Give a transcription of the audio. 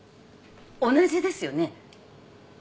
同じですよね？